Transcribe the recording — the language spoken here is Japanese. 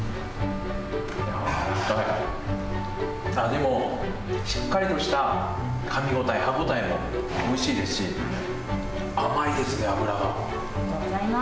でも、しっかりとしたかみ応え歯応えもおいしいですし甘いですね、脂が。